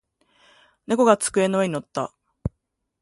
猫が机の上に乗った。